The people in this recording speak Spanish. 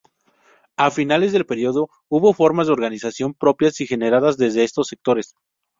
A finales del período hubo formas de organización propias y generadas desde estos sectores.